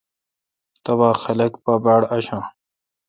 تبا خاق پہ باڑاشان۔